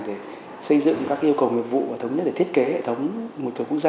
để xây dựng các yêu cầu nghiệp vụ và thống nhất để thiết kế hệ thống một cửa quốc gia